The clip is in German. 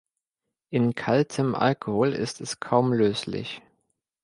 In kaltem Alkohol ist es kaum löslich.